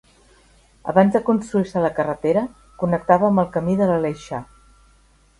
Abans de construir-se la carretera connectava amb el camí de l'Aleixar.